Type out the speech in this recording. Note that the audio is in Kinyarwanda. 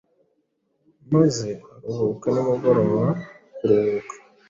maze aruhuka nimugoroba kuruhuka